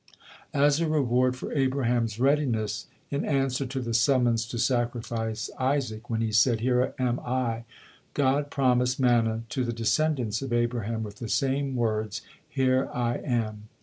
As a reward for Abraham's readiness, in answer to the summons to sacrifice Isaac, when he said, "Here am I," God promised manna to the descendants of Abraham with the same words, "Here I am."